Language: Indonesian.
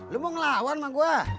lu mau ngelawan sama gue